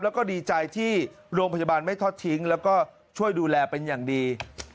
แล้วก็ดีใจที่โรงพยาบาลไม่ทอดทิ้งแล้วก็ช่วยดูแลเป็นอย่างดี